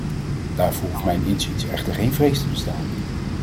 Daarvoor hoeft mijn inziens echter geen vrees te bestaan.